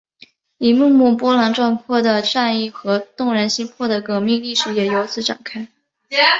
一幕幕波澜壮阔的战役和动人心魄的革命历史也由此展开。